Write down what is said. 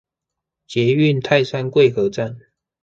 捷運泰山貴和站